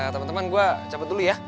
temen temen gue cabut dulu ya